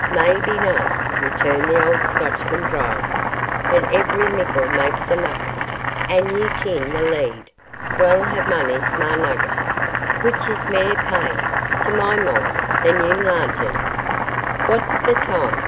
'Maybe no,' returned the old Scotchman, dryly; 'but every mickle makes a muckle, and ye ken the Lead wull hae mony sma' nuggets, which is mair paying, to my mind, than yin large ain.' 'What's the time?